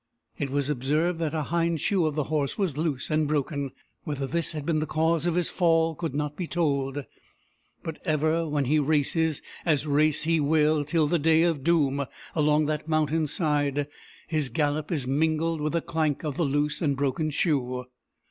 It was observed that a hind shoe of the horse was loose and broken. Whether this had been the cause of his fall, could not be told; but ever when he races, as race he will, till the day of doom, along that mountain side, his gallop is mingled with the clank of the loose and broken shoe.